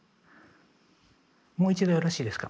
もう一度よろしいですか？